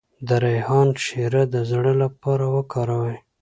د ریحان شیره د زړه لپاره وکاروئ